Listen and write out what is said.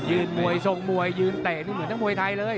มวยทรงมวยยืนเตะนี่เหมือนทั้งมวยไทยเลย